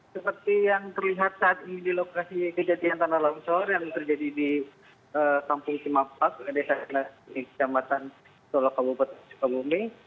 seperti yang terlihat saat ini di lokasi kejadian tanah longsor yang terjadi di kampung simapak desa desa di jambatan solokabupet sukabumi